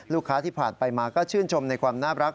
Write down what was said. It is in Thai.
ที่ผ่านไปมาก็ชื่นชมในความน่ารัก